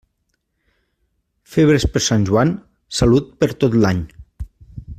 Febres per Sant Joan, salut per tot l'any.